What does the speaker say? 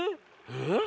えっ？